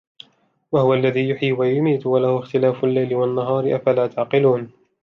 وَهُوَ الَّذِي يُحْيِي وَيُمِيتُ وَلَهُ اخْتِلَافُ اللَّيْلِ وَالنَّهَارِ أَفَلَا تَعْقِلُونَ